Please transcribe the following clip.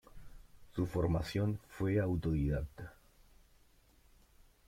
Su formación fue autodidacta.